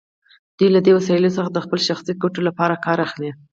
دوی له دې وسایلو څخه د خپلو شخصي ګټو لپاره کار اخلي.